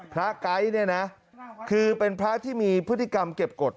ไก๊เนี่ยนะคือเป็นพระที่มีพฤติกรรมเก็บกฎ